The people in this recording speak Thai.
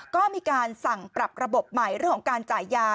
ก็มีการสั่งปรับระบบใหม่เรื่องของการจ่ายยา